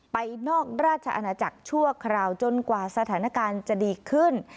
ไปนอกราชอาณาจักรชั่วคราวจนกว่าสถานการณ์จะดีขึ้น